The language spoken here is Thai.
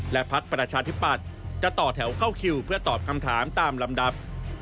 และพักประชาธิปัตย์จะต่อแถวเข้าคิวเพื่อตอบคำถามตามลำดับ